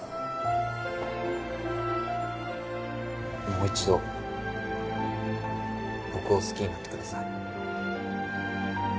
もう１度僕を好きになってください。